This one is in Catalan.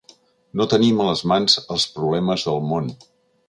No tenim a les mans els problemes del món.